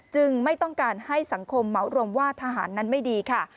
ไม่ต้องการให้สังคมเหมารวมว่าทหารนั้นไม่ดีค่ะ